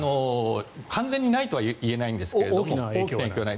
完全に影響はないとは言えないんですけども大きな影響はない。